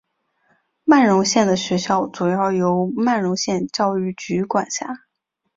曼绒县的学校主要由曼绒县教育局管辖。